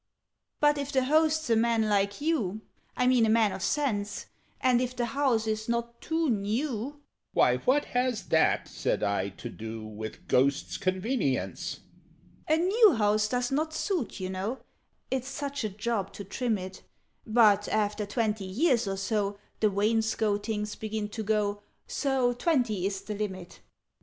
"But if the host's a man like you I mean a man of sense; And if the house is not too new " "Why, what has that," said I, "to do With Ghost's convenience?" "A new house does not suit, you know It's such a job to trim it: But, after twenty years or so, The wainscotings begin to go, So twenty is the limit."